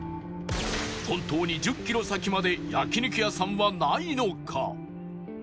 本当に１０キロ先まで焼肉屋さんはないのか？